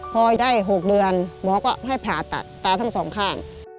พอได้๖เดือนหมอก็ให้ผ่าตัดตาทั้งสองข้าง